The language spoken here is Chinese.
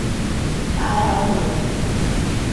萨莱尔姆。